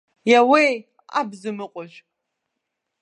Иаууеи, абзамыҟәажә!